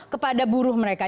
kepada buruh mereka